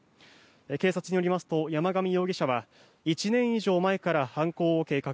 警察によりますと山上容疑者は１年以上前から犯行を計画。